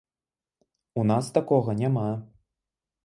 У нас такога няма.